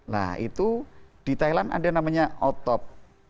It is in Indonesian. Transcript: nah itu di thailand ada namanya otop